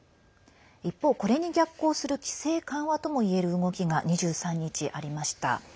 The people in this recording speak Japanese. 一方、これに逆行する規制緩和ともいえる動きが２３日、ありました。